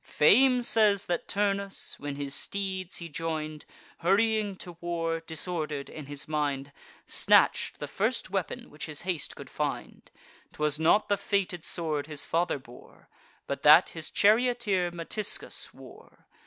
Fame says that Turnus, when his steeds he join'd, Hurrying to war, disorder'd in his mind, Snatch'd the first weapon which his haste could find. 'Twas not the fated sword his father bore, But that his charioteer Metiscus wore.